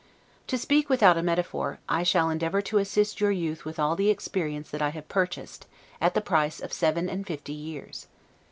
To speak without a metaphor, I shall endeavor to assist your youth with all the experience that I have purchased, at the price of seven and fifty years.